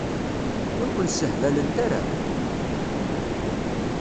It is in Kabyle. Ur kun-ssehbalent ara?